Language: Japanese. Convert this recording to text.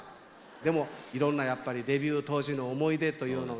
でもいろんなやっぱりデビュー当時の思い出というのが。